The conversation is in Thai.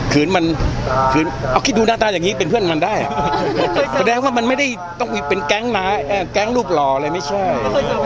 คืนดูหน้าตายังงี้เป็นเพื่อนมันได้หมายความมันไม่ได้จะเป็นแก๊งรูปหล่อเลยไม่ใช่